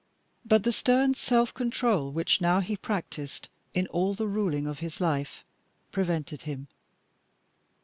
But the stern self control which now he practised in all the ruling of his life prevented him.